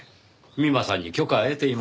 美馬さんに許可は得ています。